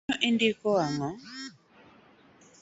Mano indiko ang’o?